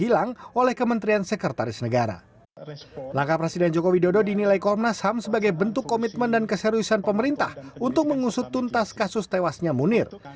langkah presiden joko widodo dinilai komnas ham sebagai bentuk komitmen dan keseriusan pemerintah untuk mengusut tuntas kasus tewasnya munir